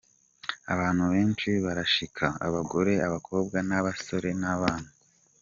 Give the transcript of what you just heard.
Abantu benshi barashika: abagore, abakobwa n' abasore n’abana.